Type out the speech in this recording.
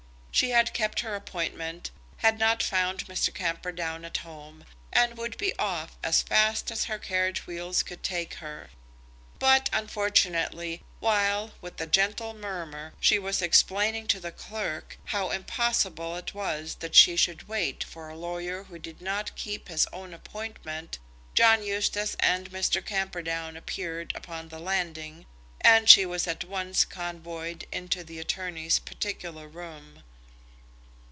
She had kept her appointment, had not found Mr. Camperdown at home, and would be off as fast as her carriage wheels could take her. But, unfortunately, while with a gentle murmur she was explaining to the clerk how impossible it was that she should wait for a lawyer who did not keep his own appointment, John Eustace and Mr. Camperdown appeared upon the landing, and she was at once convoyed into the attorney's particular room.